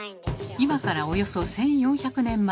今からおよそ１，４００年前。